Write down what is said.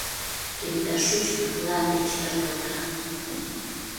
Кенета шучкын мланде чытыралта.